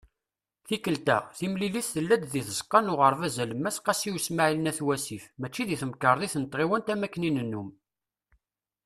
Tikelt-a, timlilit tella-d deg Tzeqqa n Uɣerbaz Alemmas "Qasi Usmaɛil" n At Wasif mačči deg Temkarḍit n Tɣiwant am wakken i nennum.